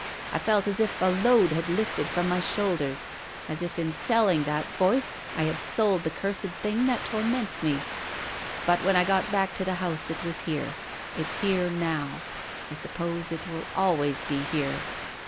I felt as if a load was lifted from my shoulders, as if in selling that voice I had sold the cursed thing that torments me. But when I got back to the house it was here. It's here now. I suppose it will always be here."